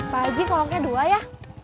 pak aji kolaknya dua ya